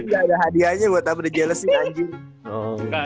tapi gak ada hadiahnya buat apa dia jealousin anjir